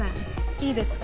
いいですか？